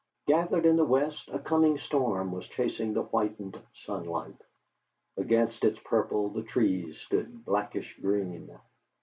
Gathered in the west a coming storm was chasing the whitened sunlight. Against its purple the trees stood blackish green.